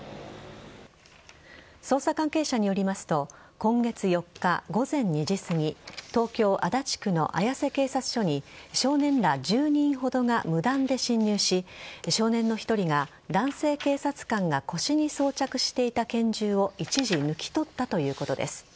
捜査関係者によりますと今月４日午前２時すぎ東京・足立区の綾瀬警察署に少年ら１０人ほどが無断で侵入し少年の１人が、男性警察官が腰に装着していた拳銃を一時抜き取ったということです。